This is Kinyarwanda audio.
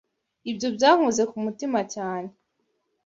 Ibyo byankoze ku mutima cyane.